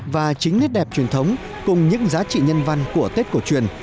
và chính nét đẹp truyền thống cùng những giá trị nhân văn của tết cổ truyền